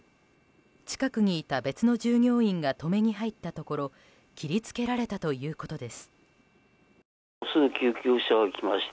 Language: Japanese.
近くにいた別の従業員が止めに入ったところ切りつけられたということです。